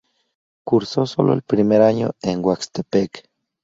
Cursó sólo el primer año en Oaxtepec.